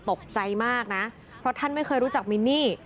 ตกใจมากนะเพราะท่านไม่เคยรู้จักมินนี่